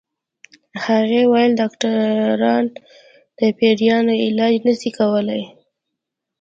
هغې ويل ډاکټران د پيريانو علاج نشي کولی